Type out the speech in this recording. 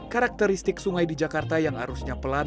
karakteristik sungai di jakarta yang arusnya pelat